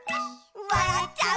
「わらっちゃう」